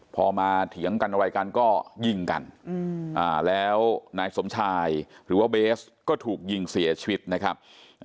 พอมาเถียงกันอะไรกันก็ยิงกันแล้วนายสมชายหรือว่าเบสก็ถูกยิงเสียชีวิตนะครับ